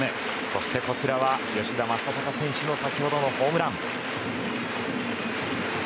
そして今のは吉田正尚選手の先ほどのホームランの映像。